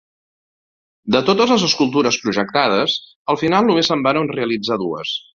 De totes les escultures projectades al final només se'n varen realitzar dues.